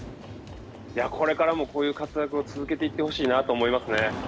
これからもこういう活躍を続けていってほしいなと思います